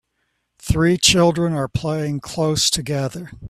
Three children are playing close together